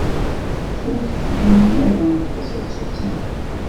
Ur tefhim ara taseḍsut-nni.